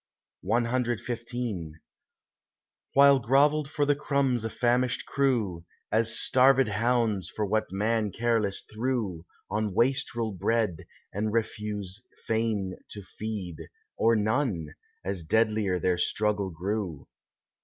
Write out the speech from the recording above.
CXV While grovelled for the crumbs a famished crew, As starvèd hounds for what man careless threw, On wastrel bread and refuse fain to feed, Or none, as deadlier their struggle grew.